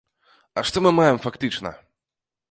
А што мы маем фактычна?